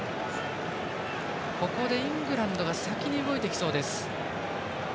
ここでイングランドが先に動いてきそうです。